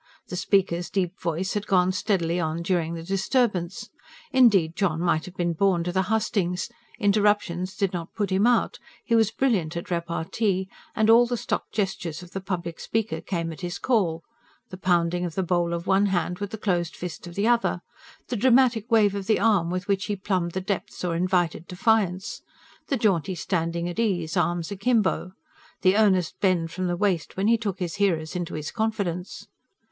The speaker's deep voice had gone steadily on during the disturbance. Indeed John might have been born to the hustings. Interruptions did not put him out; he was brilliant at repartee; and all the stock gestures of the public speaker came at his call: the pounding of the bowl of one hand with the closed fist of the other; the dramatic wave of the arm with which he plumbed the depths or invited defiance; the jaunty standing at ease, arms akimbo; the earnest bend from the waist when he took his hearers into his confidence.